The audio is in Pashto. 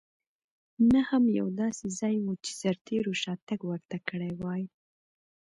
نه هم یو داسې ځای و چې سرتېرو شاتګ ورته کړی وای.